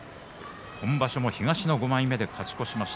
今場所も東の５枚目で勝ち越しました。